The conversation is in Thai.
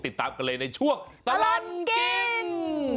ติดตามกันเลยในช่วงตลอดกิน